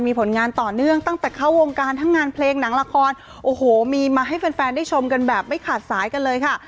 มีผลงานต่อเนื่องตั้งแต่เข้าวงการทั้งงานเพลงหนังละครโอ้โหมีมาให้แฟนแฟนได้ชมกันแบบไม่ขาดสายกันเลยค่ะ